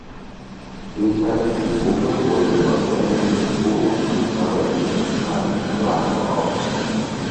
Peter Debruge wurde in Los Angeles geboren wuchs aber im texanischen Waco auf.